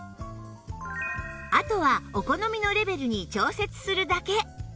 あとはお好みのレベルに調節するだけ